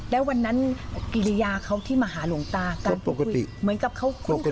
อ๋อแล้ววันนั้นกิริยาเขาที่มาหาหลวงตาการพูดเหมือนกับเขาคุ้นเคยกับหลวงตา